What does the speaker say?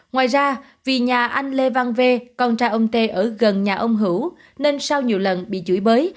ngoài ra vì nhà anh lê văn v con tra ông tê ở gần nhà ông hữu nên sau nhiều lần bị chửi bới